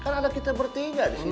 kan ada kita bertiga disitu